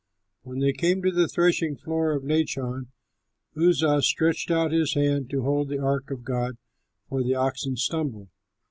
When they came to the threshing floor of Nachon, Uzzah stretched out his hand to hold up the ark of God, for the oxen stumbled.